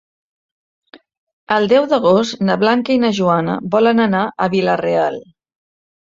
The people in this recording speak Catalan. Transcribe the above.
El deu d'agost na Blanca i na Joana volen anar a Vila-real.